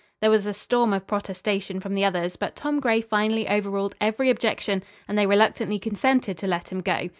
There was a storm of protestation from the others, but Tom Gray finally overruled every objection and they reluctantly consented to let him go.